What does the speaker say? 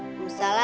waduh mas belunya